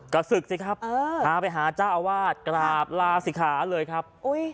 ก็ศึกสิครับพาไปหาเจ้าอาวาสกราบลาศิกขาเลยครับ